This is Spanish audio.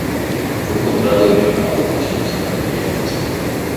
Fue encontrado en la Formación Santa María, en Brasil.